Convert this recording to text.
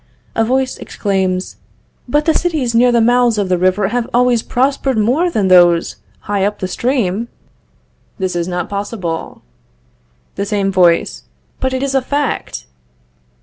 (A voice exclaims: 'But the cities near the mouths of rivers have always prospered more than those higher up the stream.') This is not possible. (The same voice: 'But it is a fact.')